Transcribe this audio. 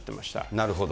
なるほど。